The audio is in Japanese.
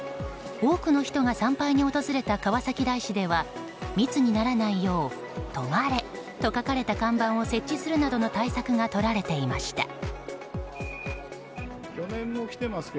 多くの人が参拝に訪れた川崎大師では密にならないよう「とまれ」と書かれた看板を設置するなどの対策がとられていました。